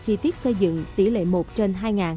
chi tiết xây dựng tỷ lệ một trên hai